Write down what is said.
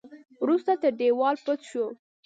وروسته تر دېوال پټ شو.